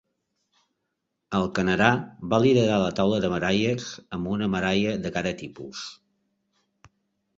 El Canadà va liderar la taula de medalles amb una medalla de cada tipus.